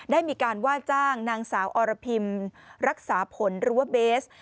ได้มีการว่าจ้างนางสาวอรพิมรักษาผลหรือว่าเบส